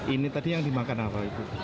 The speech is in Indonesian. ini tadi yang dimakan apa ibu